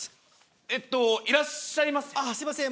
えっと、いらっしゃいませ。